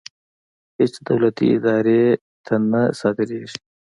هېڅ دولتي ادارې ته نه صادرېږي.